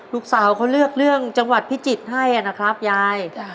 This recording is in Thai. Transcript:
ลูกสาวเขาเลือกเรื่องจังหวัดพิจิตรให้นะครับยาย